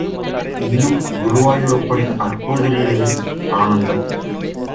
இன்னும் குருவாயூரப்பனின் அற்புத லீலைகள் அனந்தம்.